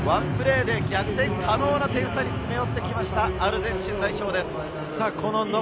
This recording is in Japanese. ワンプレーで逆転可能な点差に詰め寄ってきました、アルゼンチン代表です。